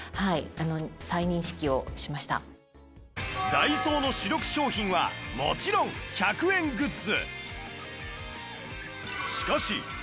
ダイソーの主力商品はもちろん１００円グッズ